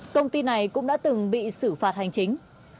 công ty này cũng đã từng bị xử phạt hành chính